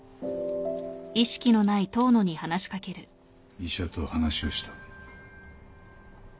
医者と話をした。